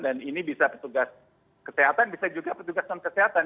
dan ini bisa petugas kesehatan bisa juga petugas non kesehatan